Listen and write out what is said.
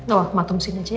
oh matung sini aja ya